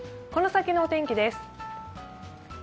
この先のお天気です。